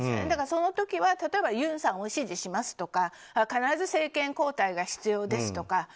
だから、その時はユンさんを支持しますとか必ず政権交代が必要ですとか。